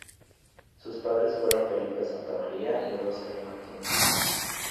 Sus padres fueron Felipe Santa María y Rosalía Martínez.